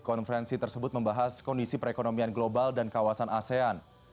konferensi tersebut membahas kondisi perekonomian global dan kawasan asean